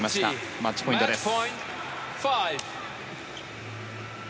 マッチポイントです。